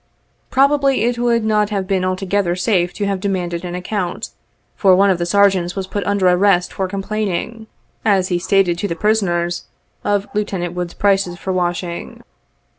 Probably it would not have been altogether safe to have demanded an account, for one of the Sergeants was put under arrest for complaining, as he stated to the prisoners, of Lieutenant Wood's prices for washing.